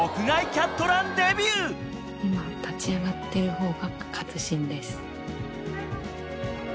・今立ち上がってる方が勝新です。